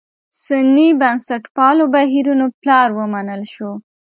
سني بنسټپالو بهیرونو پلار ومنل شو.